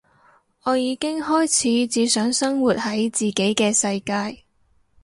我已經開始只想生活喺自己嘅世界